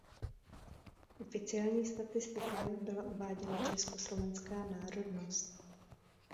V oficiálních statistikách byla uváděna československá národnost.